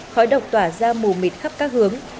khói độc tỏa ra mù mịt khắp các hướng